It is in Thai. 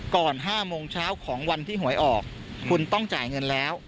๕โมงเช้าของวันที่หวยออกคุณต้องจ่ายเงินแล้ว